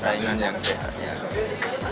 saingan yang sehat